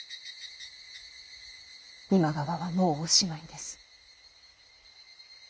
今川はもうおしまいです。